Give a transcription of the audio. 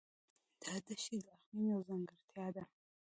دا دښتې د اقلیم یوه ځانګړتیا ده.